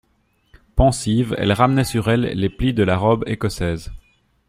Pensive, elle ramenait sur elle les plis de la robe écossaise.